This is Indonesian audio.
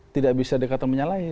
tidak bisa dikatakan menyalahi